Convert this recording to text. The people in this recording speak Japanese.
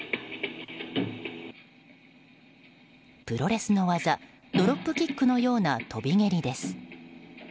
プロレスの技ドロップキックのような飛び蹴りです。